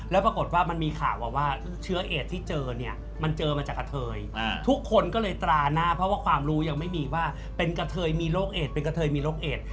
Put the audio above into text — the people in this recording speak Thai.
แล้วปรากฏว่ามันมีข่าวมาว่าเชื้อเอดที่เจอเนี่ยมันเจอมาจากกะเทยทุกคนก็เลยตราหน้าเพราะว่าความรู้ยังไม่มีว่าเป็นกะเทยมีโรคเอดเป็นกระเทยมีโรคเอด